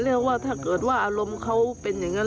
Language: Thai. แล้วว่าถ้าเกิดว่าอารมณ์เขาเป็นอย่างนั้น